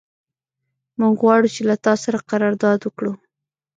موږ غواړو چې له تا سره قرارداد وکړو.